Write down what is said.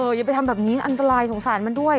อย่าไปทำแบบนี้อันตรายสงสารมันด้วย